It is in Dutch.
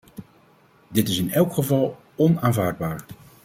Dit is in elk geval onaanvaardbaar.